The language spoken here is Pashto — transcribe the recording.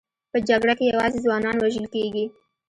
په جګړه کې یوازې ځوانان وژل کېږي